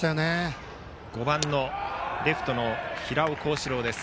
バッターは５番レフトの平尾幸志郎です。